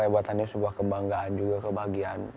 buat hanif sebuah kebanggaan juga kebahagiaan